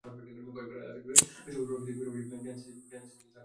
কয়েক একর এলাকা জুড়ে সবুজ প্রাকৃতিক পরিবেশে J N C S R আবৃত।